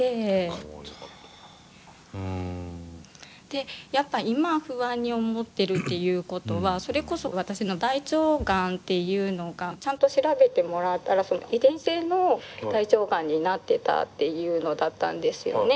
でやっぱ今不安に思ってるっていうことはそれこそ私の大腸がんっていうのがちゃんと調べてもらったらその遺伝子性の大腸がんになってたっていうのだったんですよね。